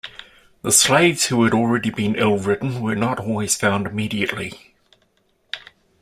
The slaves who had already been ill ridden were not always found immediately.